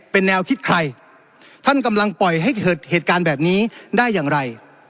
เป็นแนวคิดใครท่านกำลังปล่อยให้เกิดเหตุการณ์แบบนี้ได้อย่างไร